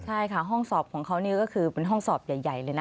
ใช่ค่ะห้องสอบของเขานี่ก็คือเป็นห้องสอบใหญ่เลยนะ